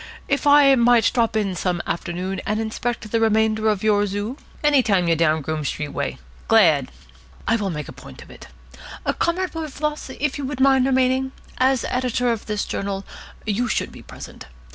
If I might drop in some afternoon and inspect the remainder of your zoo ?" "Any time you're down Groome Street way. Glad." "I will make a point of it. Comrade Wilberfloss, would you mind remaining? As editor of this journal, you should be present.